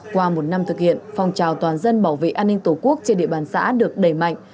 qua một năm thực hiện phong trào toàn dân bảo vệ an ninh tổ quốc trên địa bàn xã được đẩy mạnh